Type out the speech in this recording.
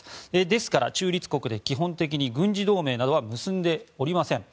ですから、中立国で基本的に軍事同盟などは結んでおりません。